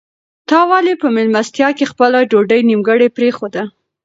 تا ولې په مېلمستیا کې خپله ډوډۍ نیمګړې پرېښوده؟